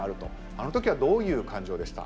あの時はどういう感情でした？